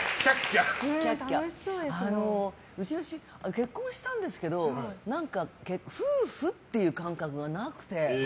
結婚したんですけど、何か夫婦っていう感覚がなくて。